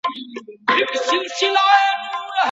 مویک راوګرځوي